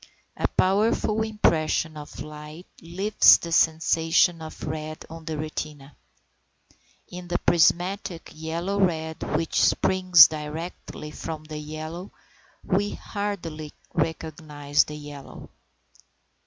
A powerful impression of light leaves the sensation of red on the retina. In the prismatic yellow red which springs directly from the yellow, we hardly recognise the yellow.